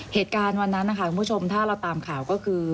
เหตุการณ์วันนั้นนะคะคุณผู้ชมถ้าเราตามข่าวก็คือ